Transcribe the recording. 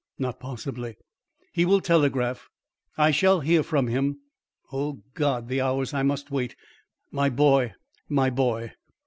"Not possibly." "He will telegraph. I shall hear from him. O God! the hours I must wait; my boy! my boy!"